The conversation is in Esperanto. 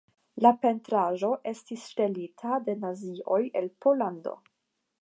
La pentraĵo estis ŝtelita de Nazioj el Pollando.